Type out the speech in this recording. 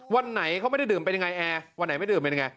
วันไหนเขาไม่ได้ดื่มเป็นยังไงแอร์วันไหนไม่ดื่มเป็นยังไง